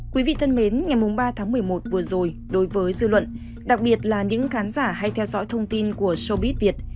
quý vị thân mến ngày ba tháng một mươi một vừa rồi đối với dư luận đặc biệt là những khán giả hay theo dõi thông tin của sobit việt